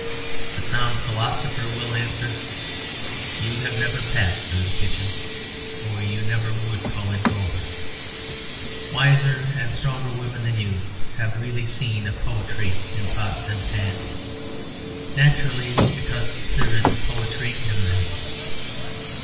The sound philosopher will answer, "You have never passed through the kitchen, or you never would call it vulgar. Wiser and stronger women than you have really seen a poetry in pots and pans; naturally, because there is a poetry in them."